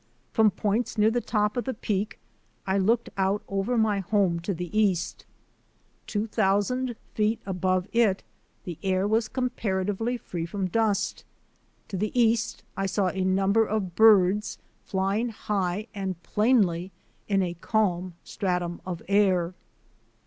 From points near the top of the Peak I looked out over my home to the east. Two thou sand feet above it the air was comparatively free from dust. To the east I saw a number of birds flying high and plainly in a calm stratum of air.